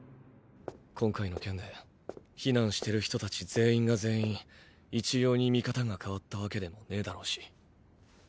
今回の件で避難している人達全員が全員一様に見方が変わったワケでもねェだろうし。